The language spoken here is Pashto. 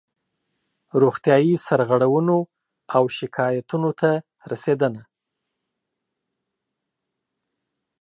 روغتیایي سرغړونو او شکایاتونو ته رسېدنه